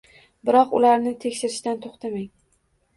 Biroq, ularni tekshirishdan to‘xtamang!